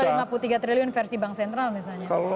ada lima puluh tiga triliun versi bank sentral misalnya